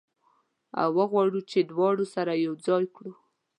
او وغواړو چې دواړه سره یو ځای کړو.